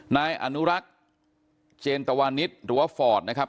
นายอนุรักษ์เจนตวานิสหรือว่าฟอร์ดนะครับ